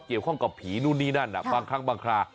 เกี่ยวข้องกับผีนู่นนี่นั่นบางครั้งบางครา